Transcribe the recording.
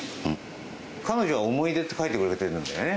彼女は思い出って書いてくれているんだね。